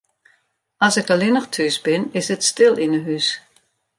As ik allinnich thús bin, is it stil yn 'e hús.